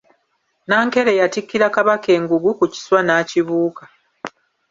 Nankere y'atikkira Kabaka engugu ku kiswa n’akibuuka.